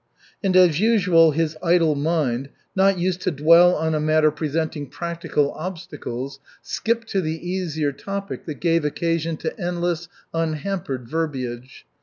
And as usual his idle mind, not used to dwell on a matter presenting practical obstacles, skipped to the easier topic that gave occasion to endless, unhampered verbiage.